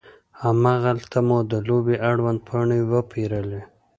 هماغلته مو د لوبې اړوند پاڼې وپیرلې.